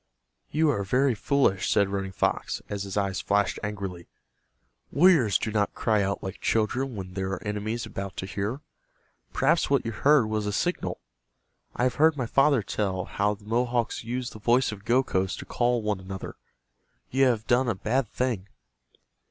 "You are very foolish," said Running Fox, as his eyes flashed angrily. "Warriors do not cry out like children when there are enemies about to hear. Perhaps what you heard was a signal. I have heard my father tell how the Mohawks use the voice of Gokhos to call one another. You have done a bad thing."